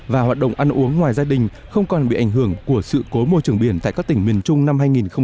và hoạt động ăn uống ngoài gia đình không còn bị ảnh hưởng của sự cố môi trường biển tại các tỉnh miền trung năm hai nghìn một mươi tám